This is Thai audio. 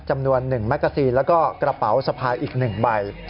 จำนวน๑แมกกาซีนแล้วก็กระเป๋าสะพายอีก๑ใบ